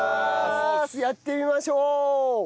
やってみましょう！